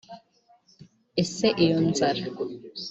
Ese iyo nzara